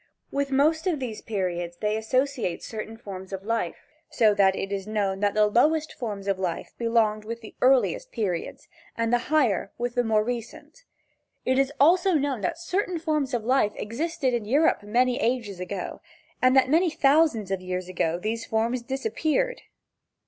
With most of these periods they associate certain forms of life, so that it is known that the lowest forms of life belonged with the earliest periods, and the higher with the more recent. It is also known that certain forms of life existed in Europe many ages ago, and that many thousands of years ago these forms disappeared.